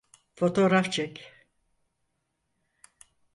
Fotoğraf çek.